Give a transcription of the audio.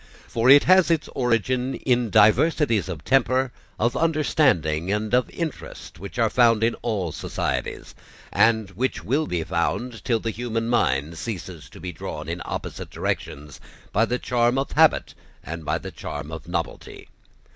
For it has its origin in diversities of temper, of understanding, and of interest, which are found in all societies, and which will be found till the human mind ceases to be drawn in opposite directions by the charm of habit and by the charm of novelty.